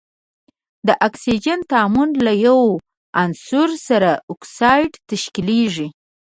د اکسیجن تعامل له یو عنصر سره اکساید تشکیلیږي.